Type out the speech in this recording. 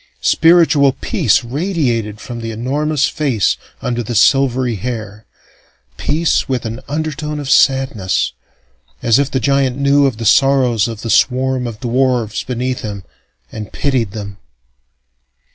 Spiritual peace radiated from the enormous face under the silvery hair, peace with an undertone of sadness, as if the giant knew of the sorrows of the swarm of dwarfs beneath him, and pitied them.